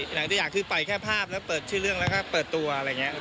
หลังจากคือปล่อยแค่ภาพแล้วเปิดชื่อเรื่องแล้วก็เปิดตัวอะไรอย่างนี้